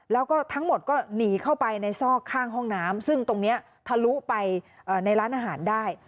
แล้วก็ทั้งหมดก็หนีเข้าไปในซอกข้างห้องน้ำซึ่งตรงนี้ทะลุไปในร้านอาหารได้